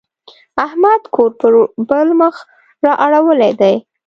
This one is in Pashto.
احمد کور پر بل مخ را اړولی دی.